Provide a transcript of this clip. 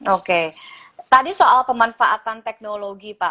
oke tadi soal pemanfaatan teknologi pak